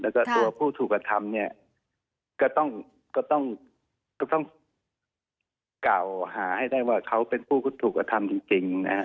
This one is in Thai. แล้วก็ตัวผู้ถูกกระทำเนี่ยก็ต้องกล่าวหาให้ได้ว่าเขาเป็นผู้ถูกกระทำจริงนะฮะ